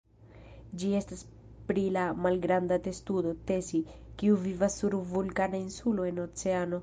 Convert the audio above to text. Ĝi temas pri la malgranda testudo "Tesi", kiu vivas sur vulkana insulo en oceano.